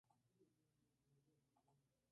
Su capital es la ciudad de Nyon.